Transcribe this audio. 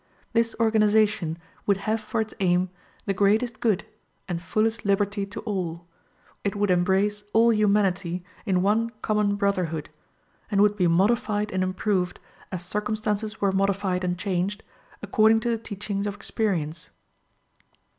This organization would have for its aim the greatest good and fullest liberty to all; it would embrace all humanity in one common brotherhood, and would be modified and improved as circumstances were modified and changed, according to the teachings of experience.